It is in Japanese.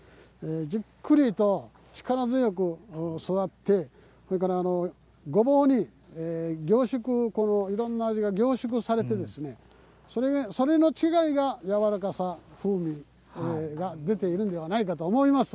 じっくりと力強く育ってそれから、ごぼうにいろんな味が凝縮されてですねそれの違いが、やわらかさ風味が出ているのではないかと思います。